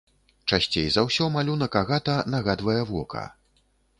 Часцей за ўсё малюнак агата нагадвае вока.